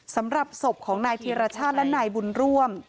สำหรับศพของนายธีรชาติและนายบุญร่วม